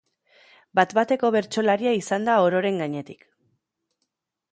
Bat-bateko bertsolaria izan da ororen gainetik.